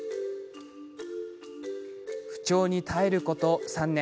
不調に耐えること３年。